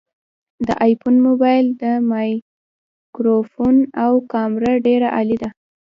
د آیفون مبایل مایکروفون او کامره ډیره عالي ده